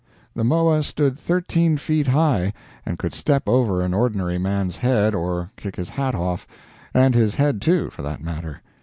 The Moa stood thirteen feet high, and could step over an ordinary man's head or kick his hat off; and his head, too, for that matter.